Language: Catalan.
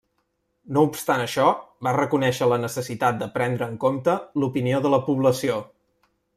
No obstant això, va reconèixer la necessitat de prendre en compte l'opinió de la població.